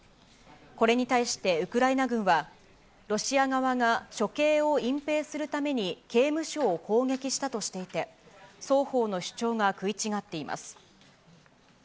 これに対してウクライナ軍は、ロシア側が処刑を隠蔽するために刑務所を攻撃したとしていて、双方の主張が食い違っています。